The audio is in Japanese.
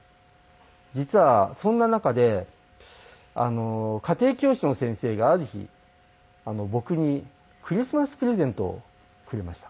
実はそんな中で家庭教師の先生がある日僕にクリスマスプレゼントをくれました。